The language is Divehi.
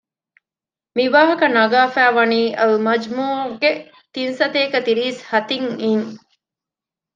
މިވާހަކަ ނަގާފައިވަނީ އަލްމަޖްމޫޢުގެ ތިންސަތޭކަ ތިރީސް ހަ ތިން އިން